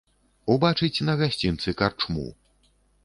Убачыць на гасцінцы карчму.